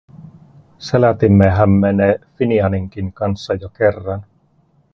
Selätimmehän me ne Finianinkin kanssa jo kerran.